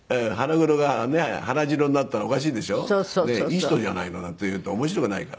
「いい人じゃないの」なんて言うと面白くないから。